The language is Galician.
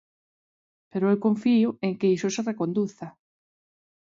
Pero eu confío en que iso se reconduza.